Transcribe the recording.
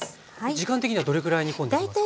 時間的にはどれぐらい煮込んでいきますか？